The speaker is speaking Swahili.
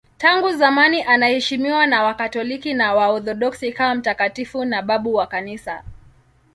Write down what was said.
Tangu zamani anaheshimiwa na Wakatoliki na Waorthodoksi kama mtakatifu na babu wa Kanisa.